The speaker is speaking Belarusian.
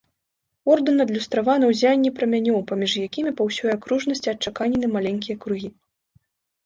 Ордэн адлюстраваны ў ззянні прамянёў, паміж якімі па ўсёй акружнасці адчаканены маленькія кругі.